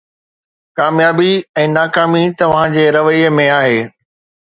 ڪاميابي ۽ ناڪامي توهان جي رويي ۾ آهي